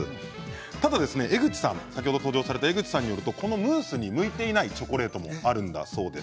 ただ先ほどの江口さんによるとこのムースに向いていないチョコレートもあるそうです。